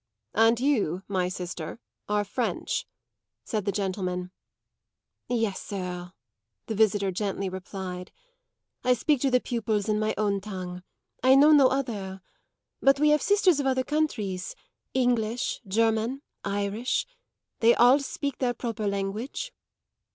"And you, my sister, are French," said the gentleman. "Yes, sir," the visitor gently replied. "I speak to the pupils in my own tongue. I know no other. But we have sisters of other countries English, German, Irish. They all speak their proper language."